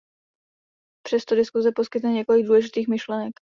Přesto diskuse poskytne několik důležitých myšlenek.